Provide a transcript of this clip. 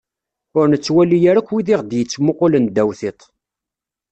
Ur nettwali ara akk wid i aɣ-d-yettmuqulen ddaw tiṭ.